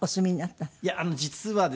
いや実はですね